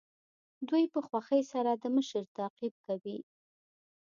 دوی په خوښۍ سره د مشر تعقیب کوي.